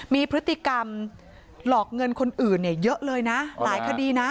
มีพฤติกรรมหลอกเงินคนอื่นเนี่ยเยอะเลยนะหลายคดีนะ